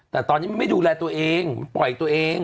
แต่ตอนนี้มันไม่ดูแลตัวเองปล่อยตัวเอง